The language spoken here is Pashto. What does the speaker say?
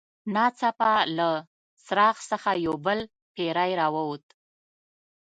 ناڅاپه له څراغ څخه یو بل پیری راووت.